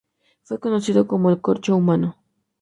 Fue conocido como el 'corcho humano'.